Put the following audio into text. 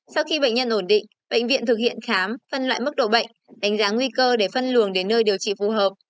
sau khi bệnh nhân ổn định bệnh viện thực hiện khám phân loại mức độ bệnh đánh giá nguy cơ để phân luồng đến nơi điều trị phù hợp